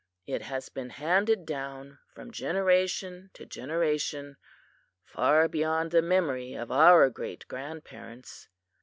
It has been handed down from generation to generation, far beyond the memory of our great grandparents.